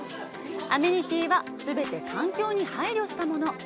アメニティーは全て環境に配慮したもの。